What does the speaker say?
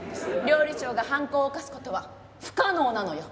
料理長が犯行を犯す事は不可能なのよ。